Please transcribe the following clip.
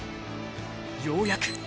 ようやく。